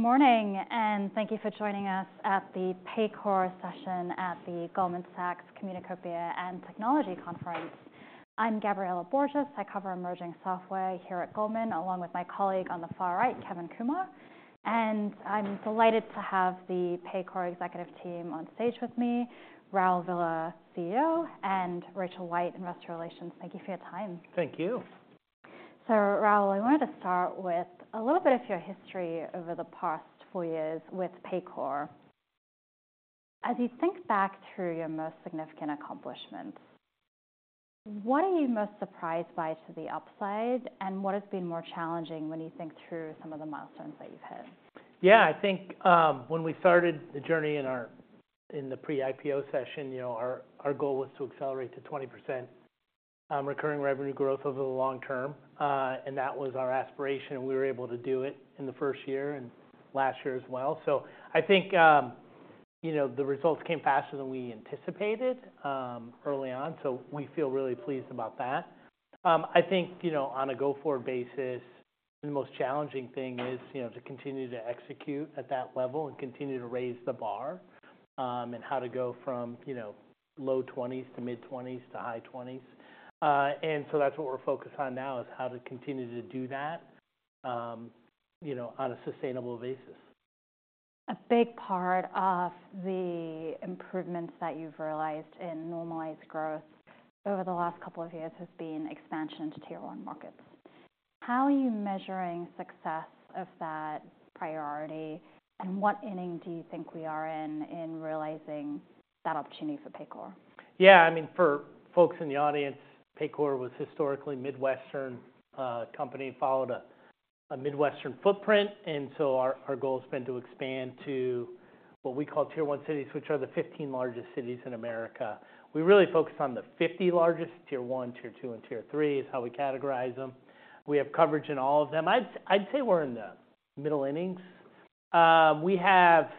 Good morning, and thank you for joining us at the Paycor session at the Goldman Sachs Communicopia and Technology Conference. I'm Gabriela Borges. I cover emerging software here at Goldman, along with my colleague on the far right, Kevin Kumar. And I'm delighted to have the Paycor executive team on stage with me, Raul Villar, CEO, and Rachel White, Investor Relations. Thank you for your time. Thank you. So, Raul, I wanted to start with a little bit of your history over the past four years with Paycor. As you think back through your most significant accomplishments, what are you most surprised by to the upside, and what has been more challenging when you think through some of the milestones that you've hit? Yeah, I think, when we started the journey in the pre-IPO session, you know, our goal was to accelerate to 20% recurring revenue growth over the long term. And that was our aspiration, and we were able to do it in the first year and last year as well. So I think, you know, the results came faster than we anticipated early on, so we feel really pleased about that. I think, you know, on a go-forward basis, the most challenging thing is, you know, to continue to execute at that level and continue to raise the bar, and how to go from, you know, low 20s to mid-20s to high 20s. And so that's what we're focused on now, is how to continue to do that, you know, on a sustainable basis. A big part of the improvements that you've realized in normalized growth over the last couple of years has been expansion to Tier 1 markets. How are you measuring success of that priority, and what inning do you think we are in, in realizing that opportunity for Paycor? Yeah, I mean, for folks in the audience, Paycor was historically a Midwestern company, followed a Midwestern footprint, and so our goal has been to expand to what we call Tier 1 cities, which are the 15 largest cities in America. We really focus on the 50 largest. Tier 1, Tier 2, and Tier Tier 3 is how we categorize them. We have coverage in all of them. I'd say we're in the middle innings. We have,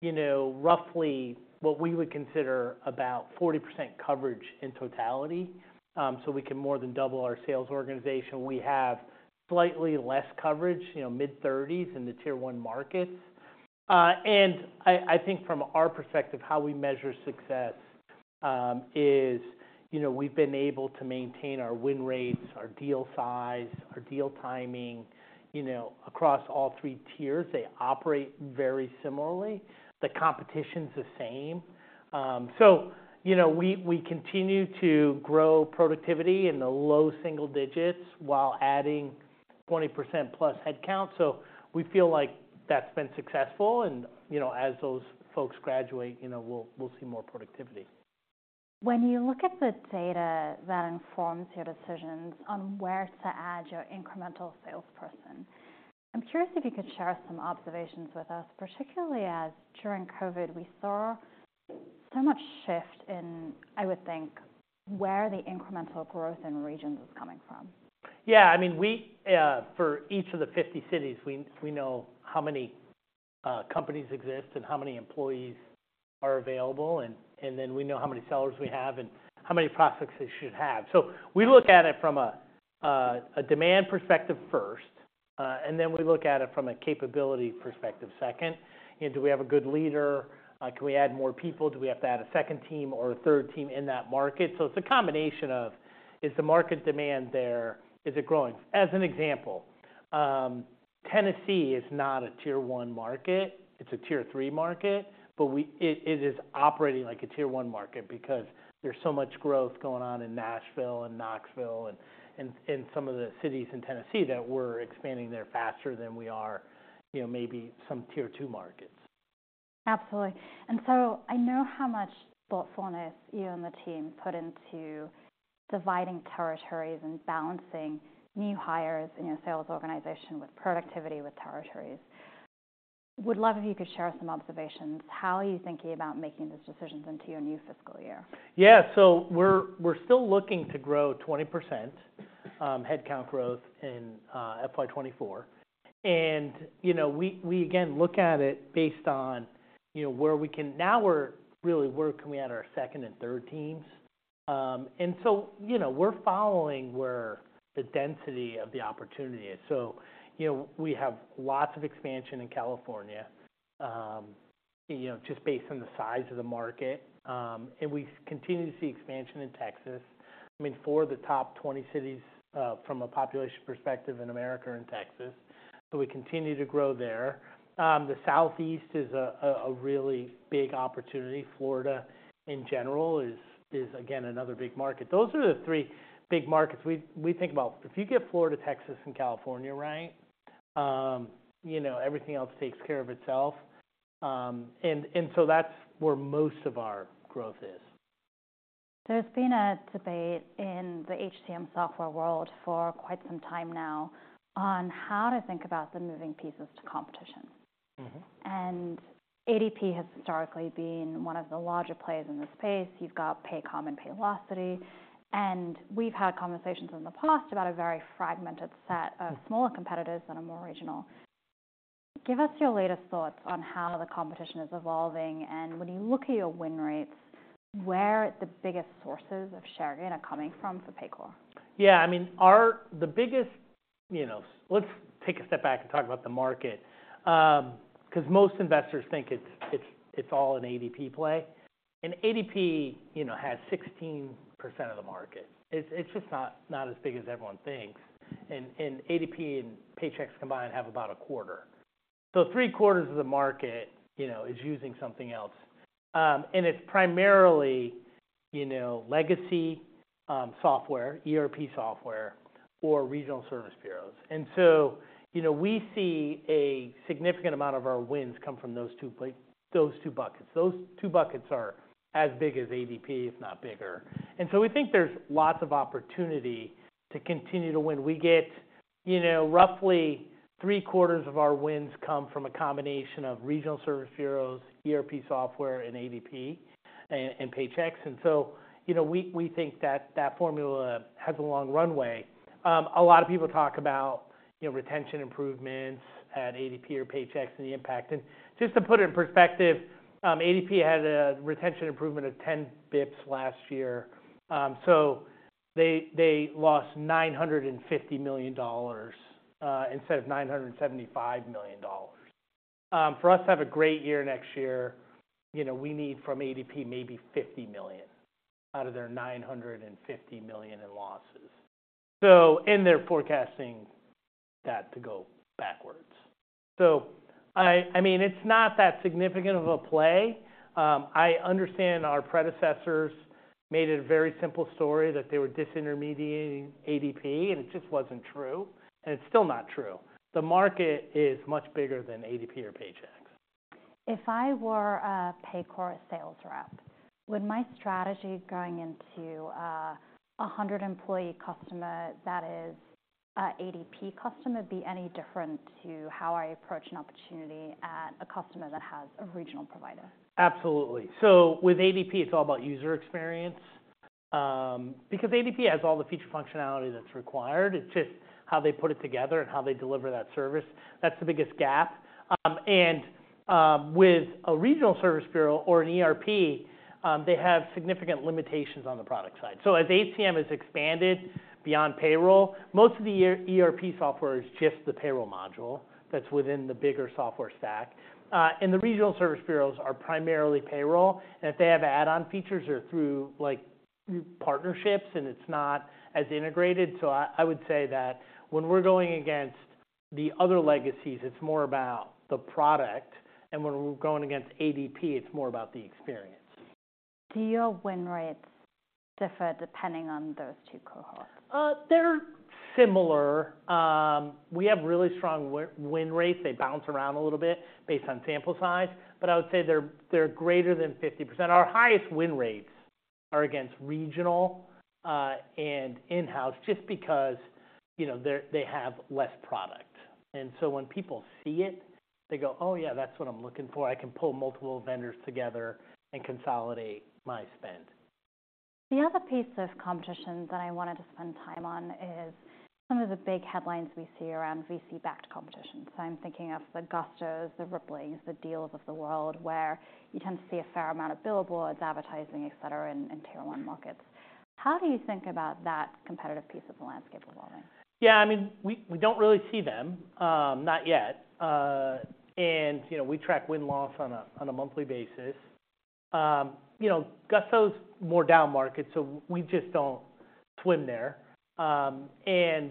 you know, roughly what we would consider about 40% coverage in totality, so we can more than double our sales organization. We have slightly less coverage, you know, mid-30s in the Tier 1 markets. I think from our perspective, how we measure success is, you know, we've been able to maintain our win rates, our deal size, our deal timing, you know, across all three tiers. They operate very similarly. The competition's the same. So you know, we continue to grow productivity in the low single digits while adding 20%+ headcount. So we feel like that's been successful and, you know, as those folks graduate, you know, we'll see more productivity. When you look at the data that informs your decisions on where to add your incremental salesperson, I'm curious if you could share some observations with us, particularly as during COVID, we saw so much shift in, I would think, where the incremental growth in regions is coming from? Yeah. I mean, we for each of the 50 cities, we know how many companies exist and how many employees are available, and then we know how many sellers we have and how many prospects they should have. So we look at it from a demand perspective first, and then we look at it from a capability perspective second. You know, do we have a good leader? Can we add more people? Do we have to add a second team or a third team in that market? So it's a combination of, is the market demand there? Is it growing? As an example, Tennessee is not a Tier 1 market, it's a Tier 3 market, but it is operating like a Tier 1 market because there's so much growth going on in Nashville and Knoxville and some of the cities in Tennessee that we're expanding there faster than we are, you know, maybe some Tier 2 markets. Absolutely. And so I know how much thoughtfulness you and the team put into dividing territories and balancing new hires in your sales organization with productivity, with territories. Would love if you could share some observations. How are you thinking about making these decisions into your new fiscal year? Yeah. So we're still looking to grow 20% headcount growth in FY 2024. And, you know, we again look at it based on, you know, where we can. Now we're really working at our second and third tiers. And so, you know, we're following where the density of the opportunity is. So, you know, we have lots of expansion in California, you know, just based on the size of the market. And we continue to see expansion in Texas. I mean, four of the top 20 cities from a population perspective in America are in Texas, so we continue to grow there. The Southeast is a really big opportunity. Florida in general is again another big market. Those are the three big markets we think about. If you get Florida, Texas, and California right, you know, everything else takes care of itself. And so that's where most of our growth is. There's been a debate in the HCM software world for quite some time now on how to think about the moving pieces to competition. Mm-hmm. ADP has historically been one of the larger players in this space. You've got Paycom and Paylocity, and we've had conversations in the past about a very fragmented set of smaller competitors that are more regional. Give us your latest thoughts on how the competition is evolving, and when you look at your win rates, where the biggest sources of share gain are coming from for Paycor? Yeah, I mean, the biggest, you know, let's take a step back and talk about the market. 'Cause most investors think it's all an ADP play, and ADP, you know, has 16% of the market. It's just not as big as everyone thinks. And ADP and Paychex combined have about a quarter. So 75% of the market, you know, is using something else. And it's primarily, you know, legacy software, ERP software or regional service bureaus. And so, you know, we see a significant amount of our wins come from those two buckets. Those two buckets are as big as ADP, if not bigger. And so we think there's lots of opportunity to continue to win. We get, you know, roughly three quarters of our wins come from a combination of regional service bureaus, ERP software, and ADP, and Paychex. And so, you know, we, we think that that formula has a long runway. A lot of people talk about, you know, retention improvements at ADP or Paychex and the impact. And just to put it in perspective, ADP had a retention improvement of 10 basis points last year. So they, they lost $950 million, instead of $975 million. For us to have a great year next year, you know, we need from ADP, maybe $50 million out of their $950 million in losses. So... And they're forecasting that to go backwards. I, I mean, it's not that significant of a play. I understand our predecessors made it a very simple story that they were disintermediating ADP, and it just wasn't true, and it's still not true. The market is much bigger than ADP or Paychex. If I were a Paycor sales rep, would my strategy going into a 100-employee customer that is an ADP customer, be any different to how I approach an opportunity at a customer that has a regional provider? Absolutely. So with ADP, it's all about user experience. Because ADP has all the feature functionality that's required, it's just how they put it together and how they deliver that service. That's the biggest gap. And with a regional service bureau or an ERP, they have significant limitations on the product side. So as HCM has expanded beyond payroll, most of the ERP software is just the payroll module that's within the bigger software stack. And the regional service bureaus are primarily payroll, and if they have add-on features, they're through, like, partnerships, and it's not as integrated. So I would say that when we're going against the other legacies, it's more about the product, and when we're going against ADP, it's more about the experience. Do your win rates differ depending on those two cohorts? They're similar. We have really strong win rates. They bounce around a little bit based on sample size, but I would say they're greater than 50%. Our highest win rates are against regional and in-house, just because, you know, they have less product. And so when people see it, they go: "Oh, yeah, that's what I'm looking for. I can pull multiple vendors together and consolidate my spend. The other piece of competition that I wanted to spend time on is some of the big headlines we see around VC-backed competition. So I'm thinking of the Gustos, the Ripplings, the Deels of the world, where you tend to see a fair amount of billboards, advertising, et cetera, in Tier 1 markets. How do you think about that competitive piece of the landscape evolving? Yeah, I mean, we don't really see them, not yet. And, you know, we track win-loss on a monthly basis. You know, Gusto's more downmarket, so we just don't swim there. And,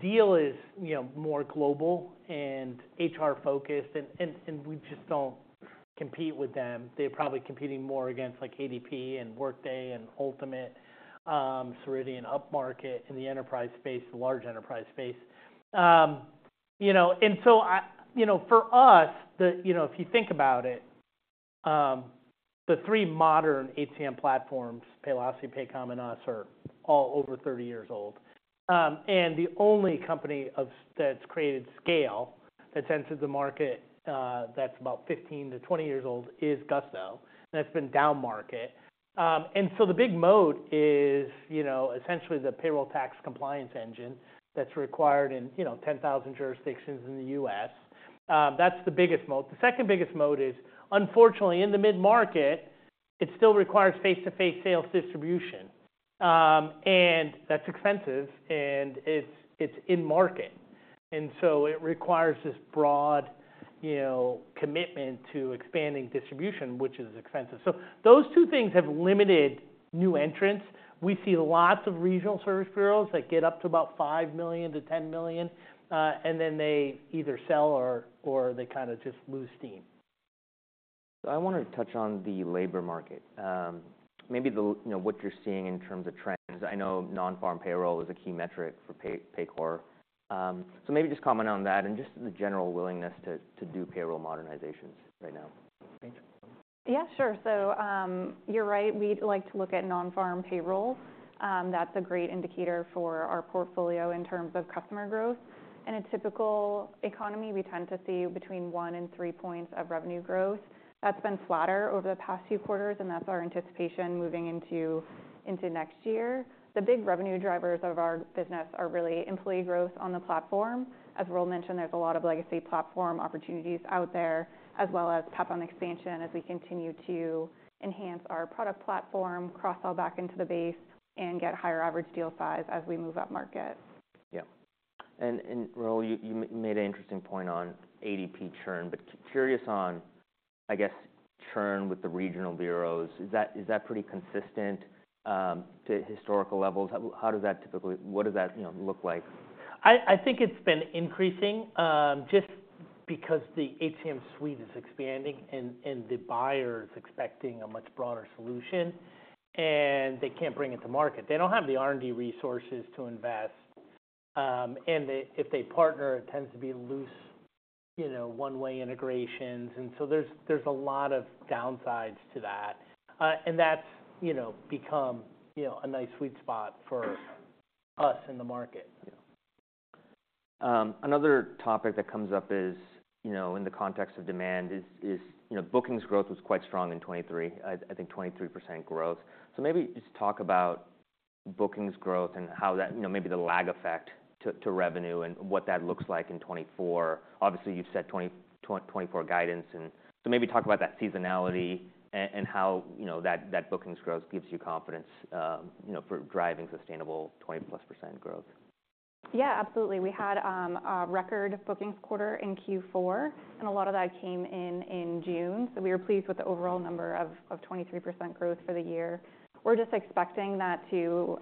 Deel is, you know, more global and HR-focused, and we just don't compete with them. They're probably competing more against, like, ADP and Workday and Ultimate, Ceridian upmarket in the enterprise space, the large enterprise space. You know, and so I... You know, for us, the, you know, if you think about it, the three modern HCM platforms, Paylocity, Paycom, and us, are all over 30 years old. And the only company that's created scale, that's entered the market, that's about 15-20 years old, is Gusto, and that's been downmarket. The big moat is, you know, essentially the payroll tax compliance engine that's required in, you know, 10,000 jurisdictions in the U.S. That's the biggest moat. The second biggest moat is, unfortunately, in the mid-market, it still requires face-to-face sales distribution. That's expensive, and it's in-market, and so it requires this broad, you know, commitment to expanding distribution, which is expensive. Those two things have limited new entrants. We see lots of regional service bureaus that get up to about $5 million-$10 million, and then they either sell or they kind of just lose steam. I wanted to touch on the labor market. Maybe the, you know, what you're seeing in terms of trends. I know Non-Farm Payrolls is a key metric for Paycor. So maybe just comment on that and just the general willingness to do payroll modernizations right now. Thank you. Yeah, sure. So, you're right, we like to look at Non-Farm Payrolls. That's a great indicator for our portfolio in terms of customer growth. In a typical economy, we tend to see between one and three points of revenue growth. That's been flatter over the past few quarters, and that's our anticipation moving into next year. The big revenue drivers of our business are really employee growth on the platform. As Will mentioned, there's a lot of legacy platform opportunities out there, as well as platform expansion, as we continue to enhance our product platform, cross-sell back into the base, and get higher average deal size as we move up market. Yeah. Well, you made an interesting point on ADP churn, but curious on, I guess, churn with the regional bureaus. Is that pretty consistent to historical levels? How does that typically, what does that, you know, look like? I think it's been increasing just because the HCM suite is expanding and the buyer is expecting a much broader solution, and they can't bring it to market. They don't have the R&D resources to invest, and if they partner, it tends to be loose, you know, one-way integrations. And so there's a lot of downsides to that. And that's, you know, become, you know, a nice sweet spot for us in the market. Yeah. Another topic that comes up is, you know, in the context of demand is, you know, bookings growth was quite strong in 2023. I think 23% growth. So maybe just talk about bookings growth and how that... you know, maybe the lag effect to revenue and what that looks like in 2024. Obviously, you've set 2024 guidance, and so maybe talk about that seasonality and how, you know, that bookings growth gives you confidence, you know, for driving sustainable 20+% growth. Yeah, absolutely. We had a record bookings quarter in Q4, and a lot of that came in in June. So we were pleased with the overall number of 23% growth for the year. We're just expecting that to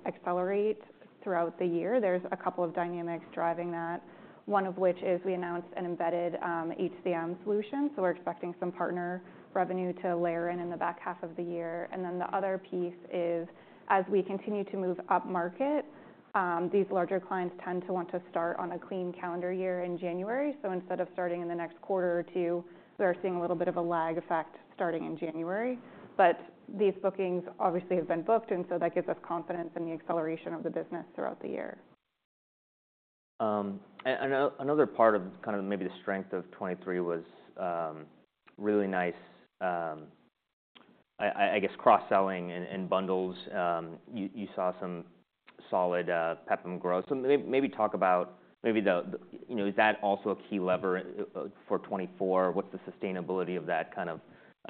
accelerate throughout the year. There's a couple of dynamics driving that, one of which is we announced an embedded HCM solution, so we're expecting some partner revenue to layer in, in the back half of the year. And then the other piece is, as we continue to move upmarket, these larger clients tend to want to start on a clean calendar year in January. So instead of starting in the next quarter or two, we are seeing a little bit of a lag effect starting in January. These bookings obviously have been booked, and so that gives us confidence in the acceleration of the business throughout the year. Another part of kind of maybe the strength of 2023 was really nice, I guess, cross-selling and bundles. You saw some solid PEPM growth. Maybe talk about maybe the, you know, is that also a key lever for 2024? What's the sustainability of that kind of,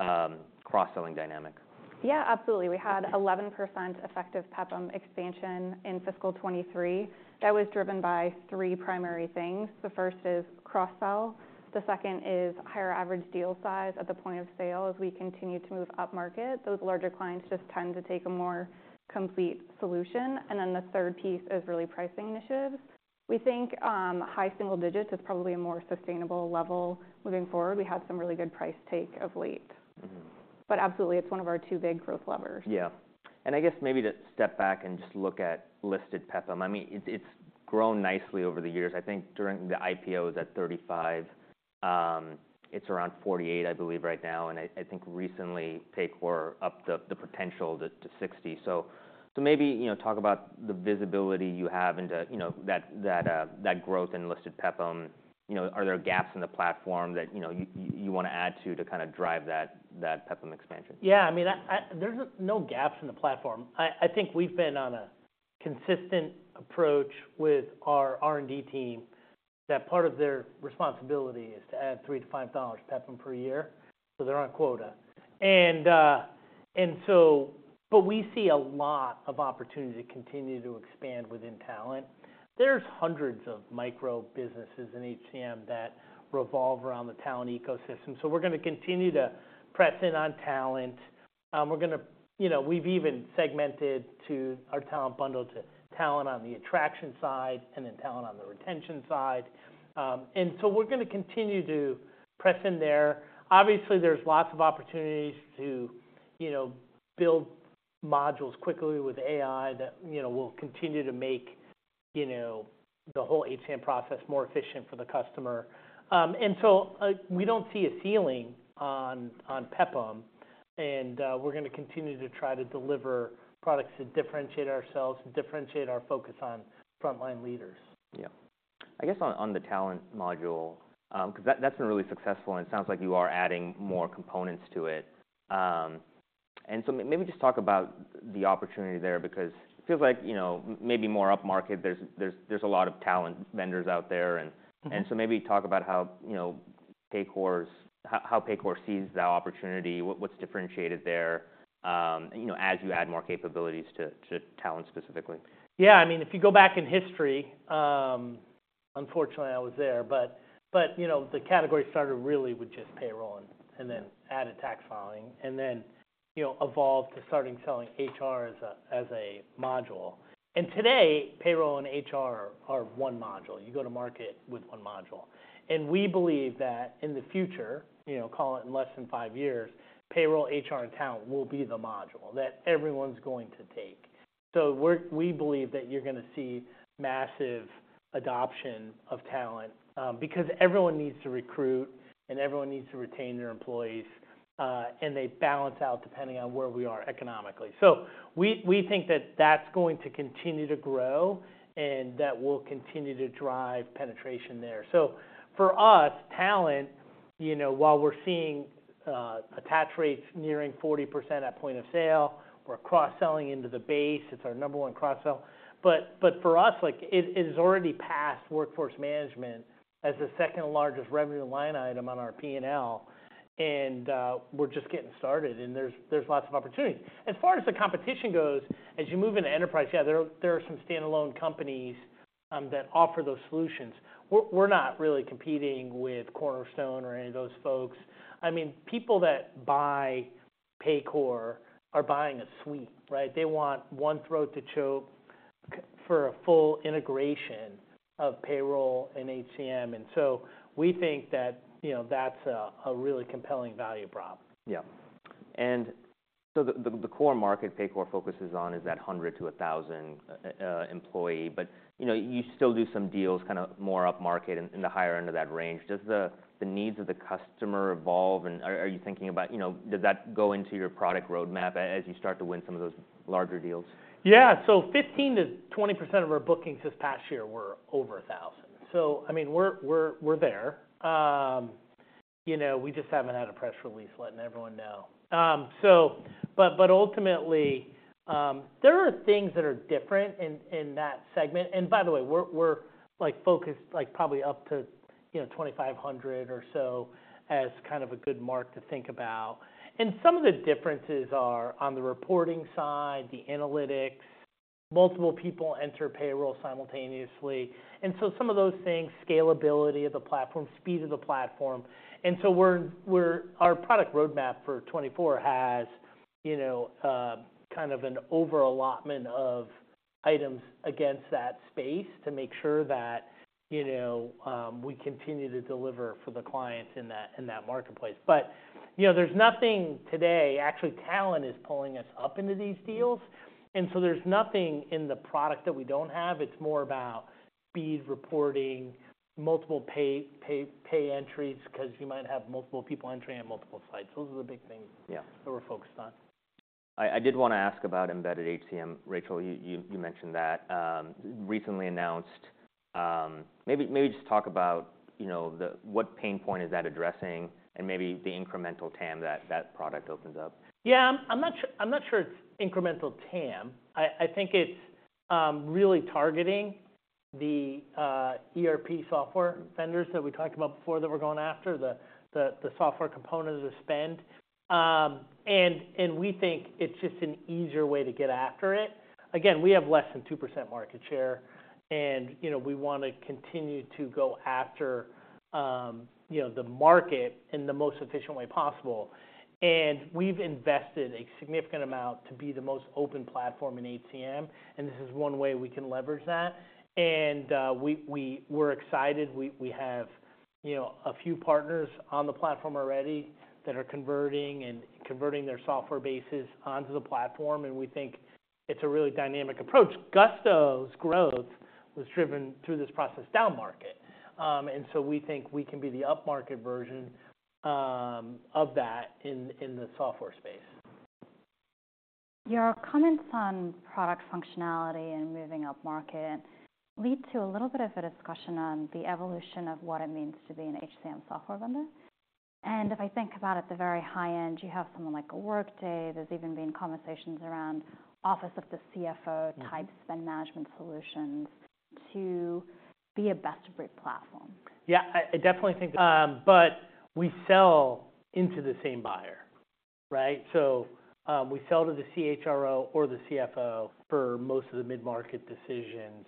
you know, cross-selling dynamic? Yeah, absolutely. We had 11% effective PEPM expansion in fiscal 2023. That was driven by three primary things. The first is cross-sell, the second is higher average deal size at the point of sale. As we continue to move upmarket, those larger clients just tend to take a more complete solution. And then the third piece is really pricing initiatives. We think, high single digits is probably a more sustainable level moving forward. We had some really good price take of late. Mm-hmm. But absolutely, it's one of our two big growth levers. Yeah. And I guess maybe to step back and just look at listed PEPM, I mean, it's grown nicely over the years. I think during the IPO, it was at 35. It's around 48, I believe, right now, and I think recently Paycor upped the potential to 60. So maybe, you know, talk about the visibility you have into, you know, that growth in listed PEPM. You know, are there gaps in the platform that, you know, you wanna add to kinda drive that PEPM expansion? Yeah. I mean, there's no gaps in the platform. I think we've been on a consistent approach with our R&D team, that part of their responsibility is to add $3-$5 PEPM per year, so they're on quota. And but we see a lot of opportunity to continue to expand within Talent. There's hundreds of micro businesses in HCM that revolve around the Talent ecosystem, so we're gonna continue to press in on Talent. We're gonna... You know, we've even segmented to our Talent bundle, to Talent on the attraction side and then Talent on the retention side. And so we're gonna continue to press in there. Obviously, there's lots of opportunities to, you know, build modules quickly with AI that, you know, will continue to make, you know, the whole HCM process more efficient for the customer. And so, we don't see a ceiling on PEPM, and we're gonna continue to try to deliver products that differentiate ourselves and differentiate our focus on frontline leaders. Yeah. I guess on the talent module, 'cause that's been really successful, and it sounds like you are adding more components to it. Maybe just talk about the opportunity there, because it feels like, you know, maybe more upmarket, there's a lot of talent vendors out there, and- Mm-hmm. So maybe talk about how, you know, Paycor sees that opportunity, what's differentiated there, you know, as you add more capabilities to talent specifically? Yeah, I mean, if you go back in history, unfortunately, I was there, but you know, the category started really with just payroll and then- Yeah... added tax filing, and then, you know, evolved to starting selling HR as a, as a module. And today, payroll and HR are, are one module. You go to market with one module. And we believe that in the future, you know, call it in less than five years, payroll, HR, and Talent will be the module that everyone's going to take. So we're- we believe that you're gonna see massive adoption of Talent, because everyone needs to recruit and everyone needs to retain their employees, and they balance out depending on where we are economically. So we, we think that that's going to continue to grow and that will continue to drive penetration there. So for us, Talent, you know, while we're seeing, attach rates nearing 40% at point of sale, we're cross-selling into the base, it's our number one cross-sell. But for us, like, it has already passed workforce management as the second largest revenue line item on our P&L, and we're just getting started, and there's lots of opportunities. As far as the competition goes, as you move into enterprise, yeah, there are some standalone companies that offer those solutions. We're not really competing with Cornerstone or any of those folks. I mean, people that buy Paycor are buying a suite, right? They want one throat to choke for a full integration of payroll and HCM. And so we think that, you know, that's a really compelling value prop. Yeah. And so the core market Paycor focuses on is that 100-1,000 employee. But, you know, you still do some deals kind of more upmarket in the higher end of that range. Does the needs of the customer evolve? And are you thinking about, you know, does that go into your product roadmap as you start to win some of those larger deals? Yeah. So 15%-20% of our bookings this past year were over 1,000. So I mean, we're there. You know, we just haven't had a press release letting everyone know. So, but ultimately, there are things that are different in that segment. And by the way, we're like focused like probably up to, you know, 2,500 or so as kind of a good mark to think about. And some of the differences are on the reporting side, the analytics. Multiple people enter payroll simultaneously, and so some of those things, scalability of the platform, speed of the platform. And so we're our product roadmap for 2024 has, you know, kind of an over allotment of items against that space to make sure that, you know, we continue to deliver for the clients in that marketplace. But, you know, there's nothing today. Actually, Talent is pulling us up into these deals, and so there's nothing in the product that we don't have. It's more about speed, reporting, multiple pay entries, because you might have multiple people entering on multiple sites. Those are the big things- Yeah. - that we're focused on. I did want to ask about embedded HCM. Rachel, you mentioned that recently announced. Maybe just talk about, you know, what pain point is that addressing, and maybe the incremental TAM that product opens up. Yeah, I'm not sure it's incremental TAM. I think it's really targeting the ERP software vendors that we talked about before that we're going after, the software component of the spend. And we think it's just an easier way to get after it. Again, we have less than 2% market share, and, you know, we want to continue to go after, you know, the market in the most efficient way possible. And we've invested a significant amount to be the most open platform in HCM, and this is one way we can leverage that. And we're excited. We have, you know, a few partners on the platform already that are converting, and converting their software bases onto the platform, and we think it's a really dynamic approach. Gusto's growth was driven through this process downmarket. And so we think we can be the upmarket version, of that in the software space. Your comments on product functionality and moving upmarket lead to a little bit of a discussion on the evolution of what it means to be an HCM software vendor. And if I think about at the very high end, you have someone like a Workday. There's even been conversations around office of the CFO- Mm-hmm. type spend management solutions to be a best-of-breed platform. Yeah, I definitely think that. But we sell into the same buyer, right? So, we sell to the CHRO or the CFO for most of the mid-market decisions.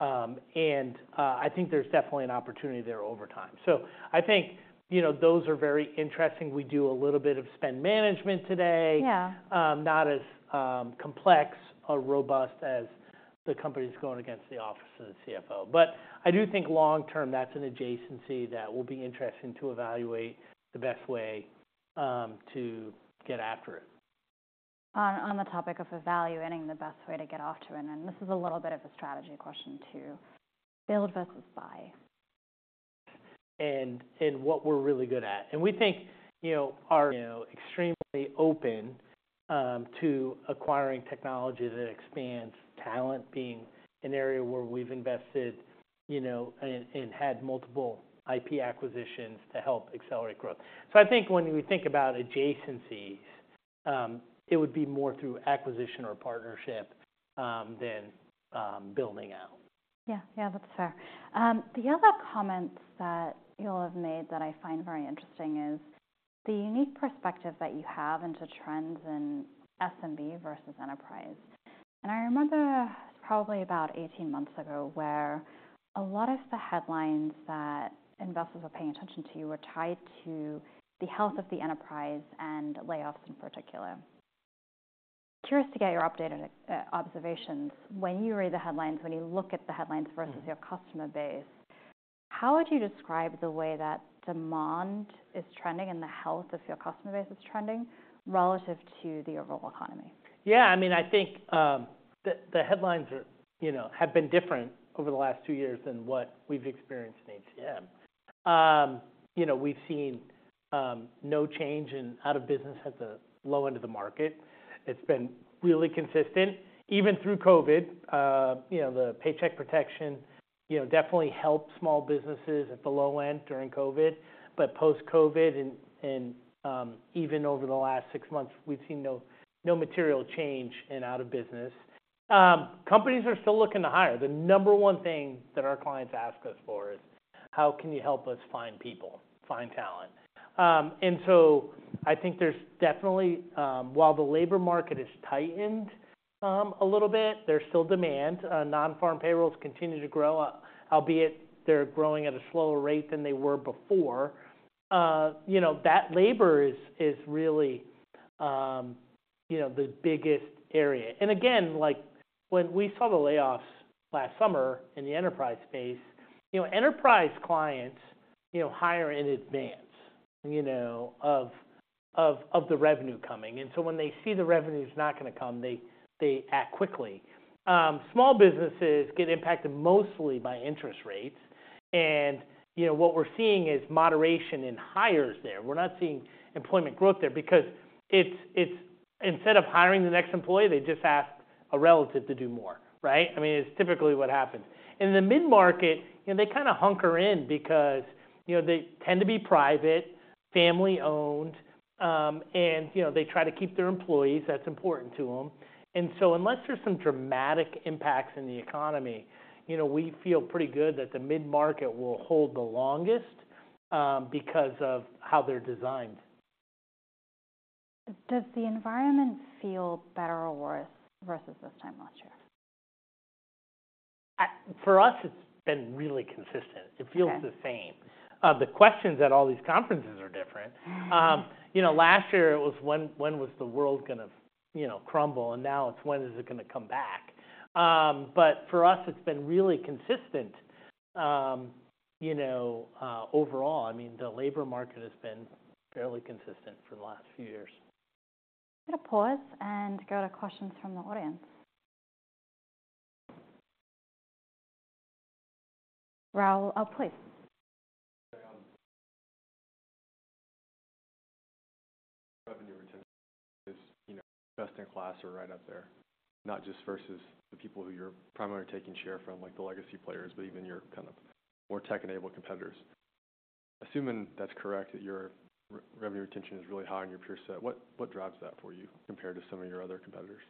And, I think there's definitely an opportunity there over time. So I think, you know, those are very interesting. We do a little bit of spend management today. Yeah. Not as, complex or robust as the companies going against the office of the CFO. I do think long term, that's an adjacency that will be interesting to evaluate the best way to get after it. On the topic of evaluating the best way to get after it, and this is a little bit of a strategy question too: build versus buy? What we're really good at, and we think, you know, are, you know, extremely open to acquiring technology that expands talent, being an area where we've invested, you know, and had multiple IP acquisitions to help accelerate growth. I think when we think about adjacencies, it would be more through acquisition or partnership than building out. Yeah. Yeah, that's fair. The other comments that you all have made that I find very interesting is the unique perspective that you have into trends in SMB versus enterprise. I remember probably about 18 months ago, where a lot of the headlines that investors were paying attention to were tied to the health of the enterprise and layoffs in particular. Curious to get your updated, observations. When you read the headlines, when you look at the headlines— Mm-hmm. - versus your customer base, how would you describe the way that demand is trending and the health of your customer base is trending relative to the overall economy? Yeah, I mean, I think the headlines are, you know, have been different over the last two years than what we've experienced in HCM. You know, we've seen no change in out of business at the low end of the market. It's been really consistent, even through COVID. You know, the paycheck protection, you know, definitely helped small businesses at the low end during COVID. But post-COVID and even over the last six months, we've seen no material change in out of business. Companies are still looking to hire. The number one thing that our clients ask us for is how can you help us find people, find talent? And so I think there's definitely. While the labor market has tightened a little bit, there's still demand. Non-Farm Payrolls continue to grow, albeit they're growing at a slower rate than they were before. You know, that labor is really, you know, the biggest area. And again, like, when we saw the layoffs last summer in the enterprise space, you know, enterprise clients, you know, hire in advance, you know, of the revenue coming. And so when they see the revenue's not gonna come, they act quickly. Small businesses get impacted mostly by interest rates. And, you know, what we're seeing is moderation in hires there. We're not seeing employment growth there because it's instead of hiring the next employee, they just ask a relative to do more, right? I mean, it's typically what happens. In the mid-market, you know, they kinda hunker in because, you know, they tend to be private, family-owned, and, you know, they try to keep their employees. That's important to them. And so unless there's some dramatic impacts in the economy, you know, we feel pretty good that the mid-market will hold the longest, because of how they're designed. Does the environment feel better or worse versus this time last year? For us, it's been really consistent. Okay. It feels the same. The questions at all these conferences are different. You know, last year it was, when was the world gonna, you know, crumble? And now it's, when is it gonna come back? But for us, it's been really consistent, you know, overall. I mean, the labor market has been fairly consistent for the last few years. I'm gonna pause and go to questions from the audience. Raul, please.... Revenue retention is, you know, best in class or right up there, not just versus the people who you're primarily taking share from, like the legacy players, but even your kind of more tech-enabled competitors. Assuming that's correct, that your revenue retention is really high in your peer set, what, what drives that for you compared to some of your other competitors?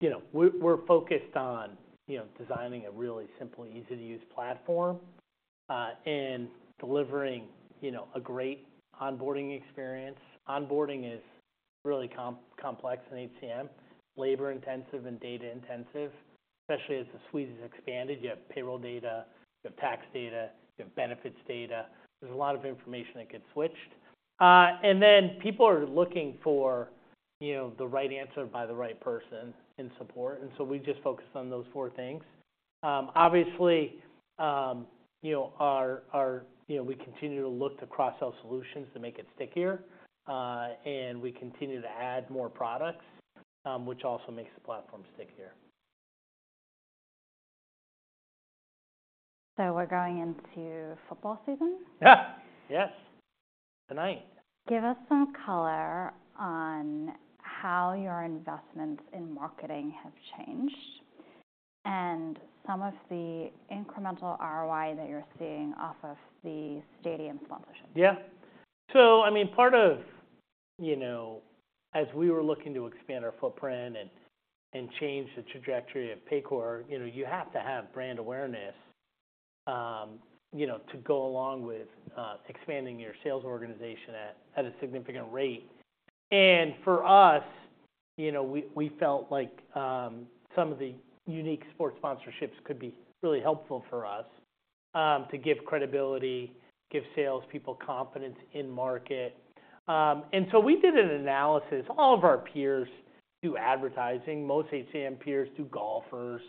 You know, we, we're focused on, you know, designing a really simple, easy-to-use platform, and delivering, you know, a great onboarding experience. Onboarding is really complex in HCM, labor-intensive and data-intensive, especially as the suite has expanded. You have payroll data, you have tax data, you have benefits data. There's a lot of information that gets switched. And then people are looking for, you know, the right answer by the right person in support, and so we just focus on those four things. Obviously, you know, our you know, we continue to look to cross-sell solutions to make it stickier. And we continue to add more products, which also makes the platform stickier. So we're going into football season? Yeah! Yes. Tonight. Give us some color on how your investments in marketing have changed, and some of the incremental ROI that you're seeing off of the stadium sponsorship? Yeah. So, I mean, part of. You know, as we were looking to expand our footprint and change the trajectory of Paycor, you know, you have to have brand awareness, you know, to go along with expanding your sales organization at a significant rate. And for us, you know, we felt like some of the unique sports sponsorships could be really helpful for us, to give credibility, give salespeople confidence in market. And so we did an analysis. All of our peers do advertising. Most HCM peers do golfers.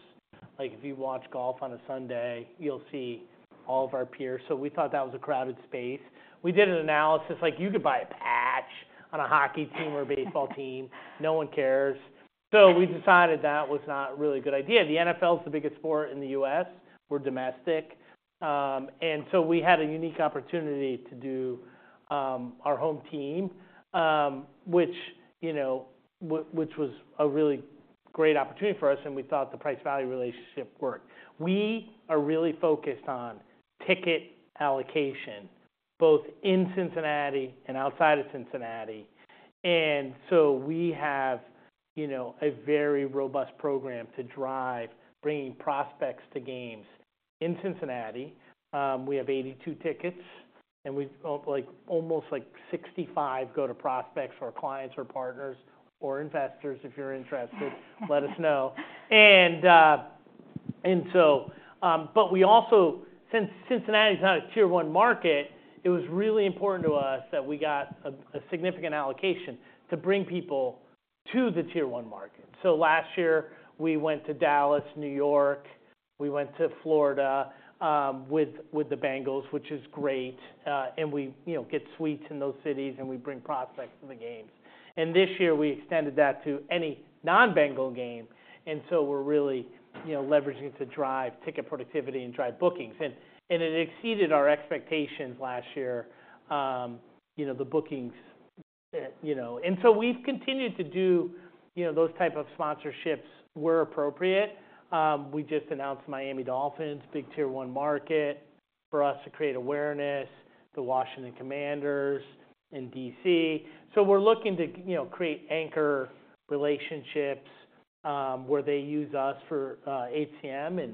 Like, if you watch golf on a Sunday, you'll see all of our peers. So we thought that was a crowded space. We did an analysis, like, you could buy a patch on a hockey team or a baseball team. No one cares. So we decided that was not really a good idea. The NFL's the biggest sport in the U.S. We're domestic. And so we had a unique opportunity to do our home team, which, you know, which, which was a really great opportunity for us, and we thought the price-value relationship worked. We are really focused on ticket allocation, both in Cincinnati and outside of Cincinnati. And so we have, you know, a very robust program to drive bringing prospects to games. In Cincinnati, we have 82 tickets, and we like, almost, like, 65 go to prospects or clients or partners or investors. If you're interested, let us know. And, and so, but we also. Since Cincinnati is not a Tier 1 market, it was really important to us that we got a significant allocation to bring people to the Tier 1 market. So last year, we went to Dallas, New York, we went to Florida, with the Bengals, which is great, and we, you know, get suites in those cities, and we bring prospects to the games. And this year, we extended that to any non-Bengals game, and so we're really, you know, leveraging to drive ticket productivity and drive bookings. And it exceeded our expectations last year, you know, the bookings, you know. And so we've continued to do, you know, those type of sponsorships where appropriate. We just announced Miami Dolphins, big Tier 1 market for us to create awareness, the Washington Commanders in D.C. So we're looking to, you know, create anchor relationships, where they use us for HCM,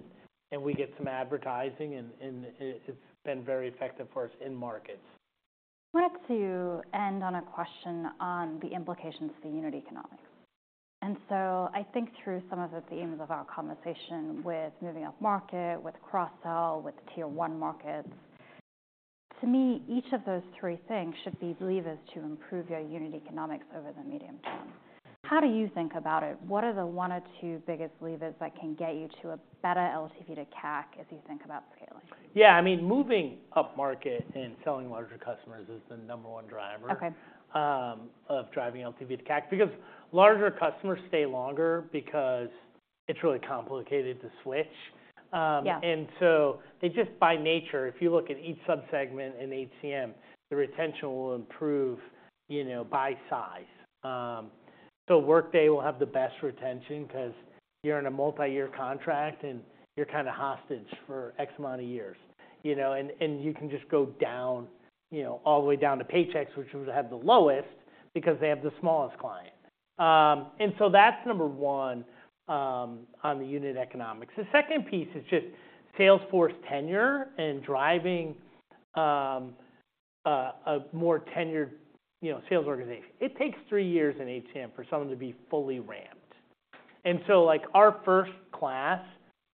and we get some advertising, and it, it's been very effective for us in markets. I wanted to end on a question on the implications for the unit economics. I think through some of the themes of our conversation with moving upmarket, with cross-sell, with Tier 1 markets, to me, each of those three things should be levers to improve your unit economics over the medium term. How do you think about it? What are the one or two biggest levers that can get you to a better LTV to CAC as you think about scaling? Yeah, I mean, moving upmarket and selling larger customers is the number one driver- Okay ... of driving LTV to CAC, because larger customers stay longer because it's really complicated to switch. Yeah. They just by nature, if you look at each subsegment in HCM, the retention will improve, you know, by size. So Workday will have the best retention 'cause you're in a multi-year contract, and you're kinda hostage for X amount of years, you know? And you can just go down, you know, all the way down to Paychex, which would have the lowest because they have the smallest client. And so that's number one on the unit economics. The second piece is just sales force tenure and driving a more tenured, you know, sales organization. It takes three years in HCM for someone to be fully ramped. And so, like, our first class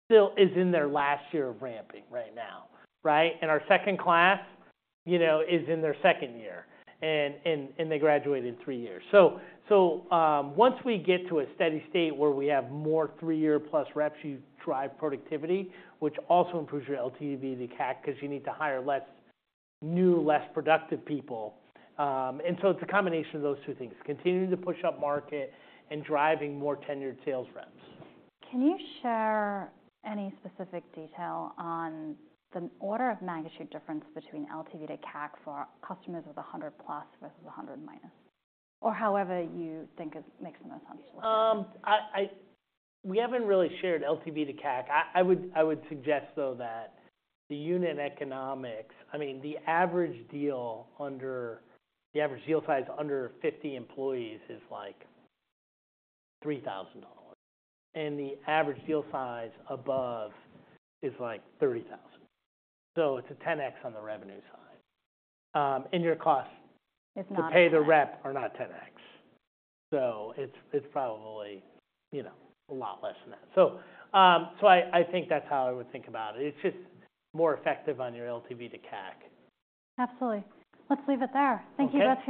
still is in their last year of ramping right now, right? Our second class, you know, is in their second year, and they graduate in three years. So, once we get to a steady state where we have more three-year-plus reps, you drive productivity, which also improves your LTV to CAC because you need to hire less new, less productive people. And so it's a combination of those two things, continuing to push upmarket and driving more tenured sales reps. Can you share any specific detail on the order of magnitude difference between LTV to CAC for customers with 100+ versus 100-, or however you think it makes the most sense? We haven't really shared LTV to CAC. I would suggest, though, that the unit economics, I mean, the average deal size under 50 employees is, like, $3,000, and the average deal size above is, like, $30,000. So it's a 10x on the revenue side. And your costs- Is not 10x. -to pay the rep are not 10x. So it's, it's probably, you know, a lot less than that. So, so I, I think that's how I would think about it. It's just more effective on your LTV to CAC. Absolutely. Let's leave it there. Okay. Thank you, Betsy.